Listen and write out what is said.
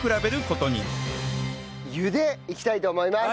茹でいきたいと思います。